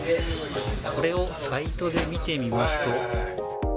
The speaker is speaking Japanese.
これをサイトで見てみますと。